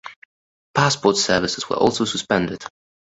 Passport services were also suspended.